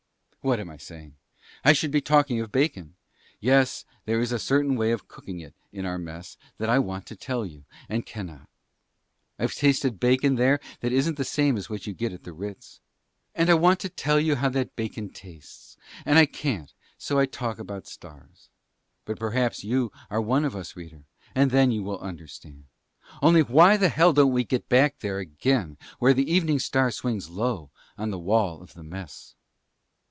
What am I saying? I should be talking of bacon. Yes, but there is a way of cooking it in our Mess that I want to tell you and cannot. I've tasted bacon there that isn't the same as what you get at the Ritz. And I want to tell you how that bacon tastes; and I can't so I talk about stars. But perhaps you are one of us, reader, and then you will understand. Only why the hell don't we get back there again where the Evening Star swings low on the wall of the Mess?